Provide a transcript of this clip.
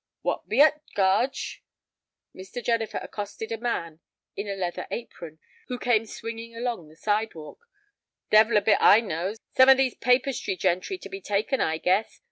"What be ut, Garge?" Mr. Jennifer accosted a man in a leather apron who came swinging along the sidewalk. "Devil a bit I knows. Some of these papistry gentry to be taken, I guess.